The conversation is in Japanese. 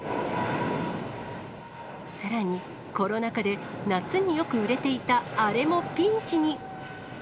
さらに、コロナ禍で夏によく売れていた、あれもピンチに。